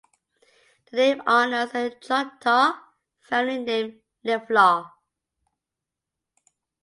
The name honors a Choctaw family named LeFlore.